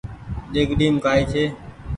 ۮيگڙيم ڪآئي ڇي